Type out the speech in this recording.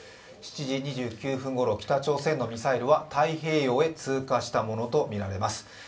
７時２９分ごろ、北朝鮮のミサイルは太平洋へ通過したものとみられます。